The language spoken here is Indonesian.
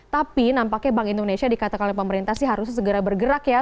tapi nampaknya bank indonesia dikatakan oleh pemerintah sih harusnya segera bergerak ya